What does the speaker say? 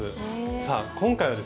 さあ今回はですね